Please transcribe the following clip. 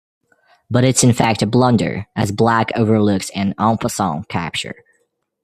But it's in fact a blunder, as Black overlooks an "en passant" capture.